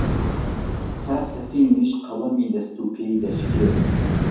تا سەفینیش قەڵەمی دەست و پێی دەشکێ،